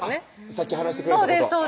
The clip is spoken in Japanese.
さっき話してくれたことそうです